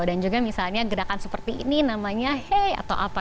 dan juga misalnya gerakan seperti ini namanya hey atau apa